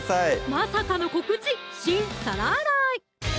まさかの告知「シン・皿洗い」！